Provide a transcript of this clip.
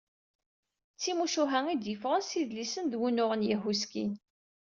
D timucuha i d-yeffɣen d idlisen s wunuɣen yehhuskin.